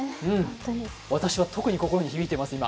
私は特に心に響いています、今。